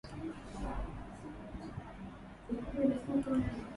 Matone ya damu kwenye kingo za viungo kwa mfano kwenye mfumo wa kusaga